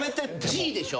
Ｇでしょ？